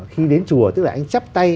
khi đến chùa tức là anh chắp tay